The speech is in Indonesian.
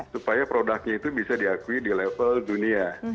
supaya produknya itu bisa diakui di level dunia